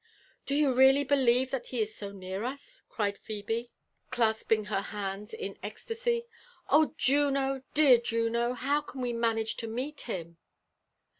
''Do you roally believe that he is so near us?" cried Phebe^ claapinf her hands in ecstasy. Oh, Juno 1 dear Juno! how can we manage to meet him?'